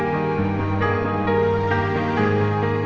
semoga kamu capai